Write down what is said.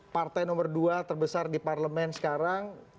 partai nomor dua terbesar di parlemen sekarang